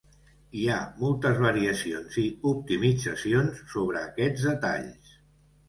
Hi ha moltes variacions i optimitzacions sobre aquests detalls.